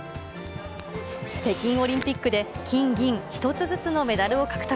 北京オリンピックで金、銀、１つずつのメダルを獲得。